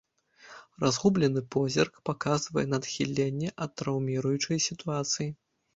Разгублены позірк паказвае на адхіленне ад траўміруючай сітуацыі.